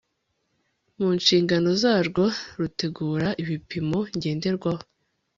mu nshingano zarwo rutegura ibipimo ngenderwaho